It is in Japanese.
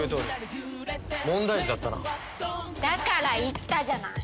だから言ったじゃない！